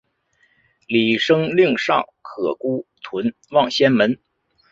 李晟令尚可孤屯望仙门。